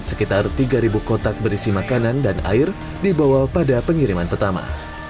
sekitar tiga kotak berisi makanan dan air dibawa pada pengiriman pertama